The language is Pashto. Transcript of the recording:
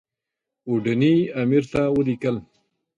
اوډني امیر ته ولیکل.